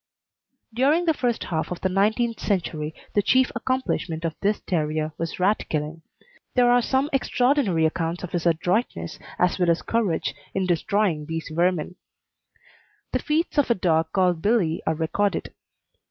During the first half of the nineteenth century the chief accomplishment of this terrier was rat killing. There are some extraordinary accounts of his adroitness, as well as courage, in destroying these vermin. The feats of a dog called Billy are recorded.